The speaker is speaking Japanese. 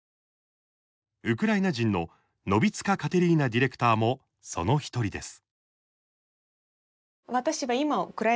ウクライナ人のノヴィツカ・カテリーナディレクターも、その１人です。